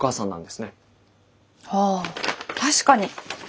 ああ確かに。